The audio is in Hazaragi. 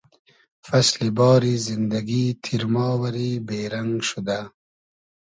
فئسلی باری زیندئگی تیرما وئری بې رئنگ شودۂ